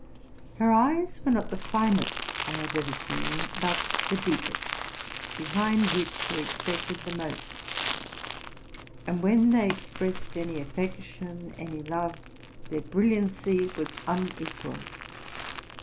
Her eyes were not the finest I have ever seen, but the deepest, behind which you expected the most; and when they ex pressed any affection, any love, their brilliancy was un equalled.